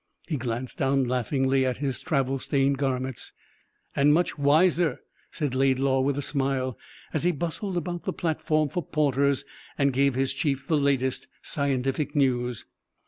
He glanced down laughingly at his travel stained garments. "And much wiser," said Laidlaw, with a smile, as he bustled about the platform for porters and gave his chief the latest scientific news.